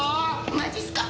マジっすか？